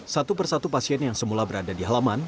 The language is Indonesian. satu persatu pasien yang semula berada di halaman